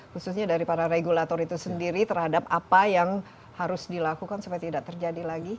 khususnya dari para regulator itu sendiri terhadap apa yang harus dilakukan supaya tidak terjadi lagi